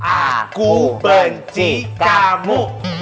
aku benci kamu